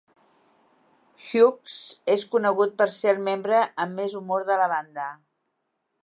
Hughes és conegut per ser el membre amb més humor de la banda.